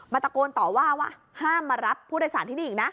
ตะโกนต่อว่าว่าห้ามมารับผู้โดยสารที่นี่อีกนะ